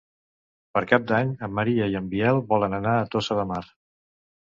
Per Cap d'Any en Maria i en Biel volen anar a Tossa de Mar.